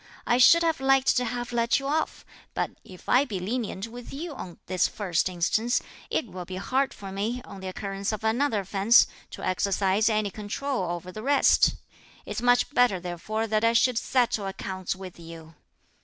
I should have liked to have let you off, but if I be lenient with you on this first instance, it will be hard for me, on the occurrence of another offence, to exercise any control over the rest. It's much better therefore that I should settle accounts with you."